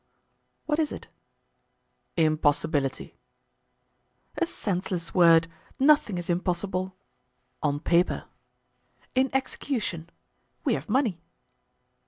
"What is it?" "Impossibility." "A senseless word. Nothing is impossible." "On paper." "In execution. We have money?"